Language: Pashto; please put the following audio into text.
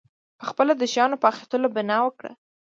پخپله د شیانو په اخیستلو بنا وکړه.